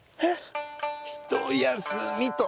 ひとやすみと。